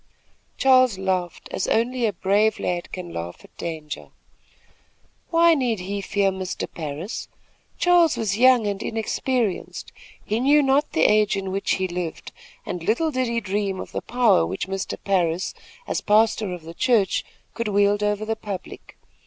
Charles laughed, as only a brave lad can laugh at danger. Why need he fear Mr. Parris? Charles was young and inexperienced. He knew not the age in which he lived, and little did he dream of the power which Mr. Parris, as pastor of the church, could wield over the public.